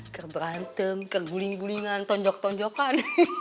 keberantem keguling gulingan tonjok tonjokan